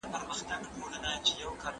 زه به سبا کتابتوننۍ سره وخت تېره کړم؟